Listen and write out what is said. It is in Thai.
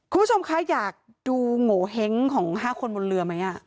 คุณผู้ชมคะอยากดูโงเห้งของ๕คนบนเรือไหม